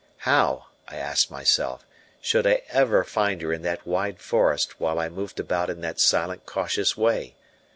How, I asked myself, should I ever find her in that wide forest while I moved about in that silent, cautious way?